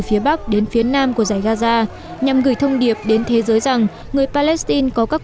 phía bắc đến phía nam của giải gaza nhằm gửi thông điệp đến thế giới rằng người palestine có các